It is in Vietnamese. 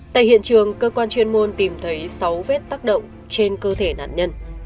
tại hiện trường cơ quan chuyên môn tìm thấy sáu vết tác động trên cơ thể nạn nhân